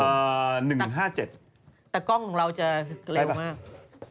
แต่กล้องของเราจะเร็วมาก